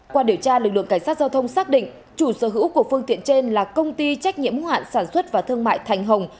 qua điều tra lực lượng cảnh sát giao thông xác định chủ sở hữu của phương tiện trên là công ty trách nhiệm hoạn sản xuất và thương mại thành hồng